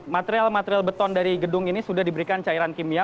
material material beton dari gedung ini sudah diberikan cairan kimia